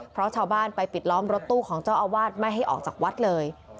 เพราะชาวบ้านไปปิดล้อมรถตู้ของเจ้าอาวาสไม่ให้ออกจากวัดเลย